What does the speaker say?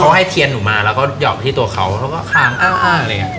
เขาให้เทียนหนูมาแล้วก็หอกที่ตัวเขาเขาก็ค้างอ้าวอะไรอย่างเงี้